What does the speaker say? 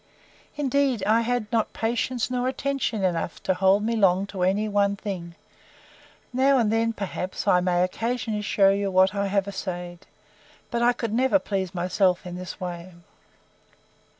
Indeed I had not patience nor attention enough to hold me long to any one thing. Now and then, perhaps, I may occasionally shew you what I have essayed. But I never could please myself in this way.